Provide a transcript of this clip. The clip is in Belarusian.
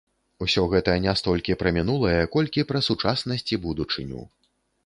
Усё гэта не столькі пра мінулае, колькі пра сучаснасць і будучыню.